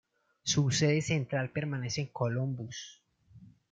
Su sede central permanece en Columbus.